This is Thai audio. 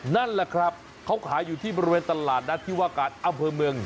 นั่นแหละครับเขาขายอยู่ที่ประเมินตลาดนักถิวอากาศอัมเภอเมือง